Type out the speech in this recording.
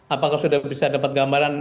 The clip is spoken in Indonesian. apakah sudah bisa dapat gambaran